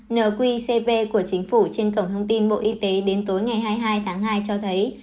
nqcp của chính phủ trên cổng thông tin bộ y tế đến tối ngày hai mươi hai tháng hai cho thấy